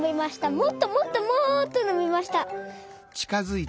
もっともっともっとのびました。